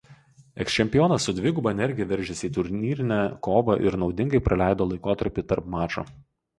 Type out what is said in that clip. Eksčempionas su dviguba energija veržėsi į turnyrinę kovą ir naudingai praleido laikotarpį tarp mačų.